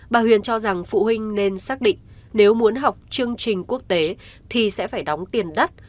bà huyền cho rằng phụ huynh nên xác định nếu muốn học chương trình quốc tế thì sẽ phải đóng tiền đất